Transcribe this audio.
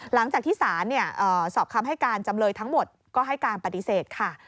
หลังจากที่สารสอบคำให้การจำเลยทั้งหมดก็ให้การปฏิเสธค่ะ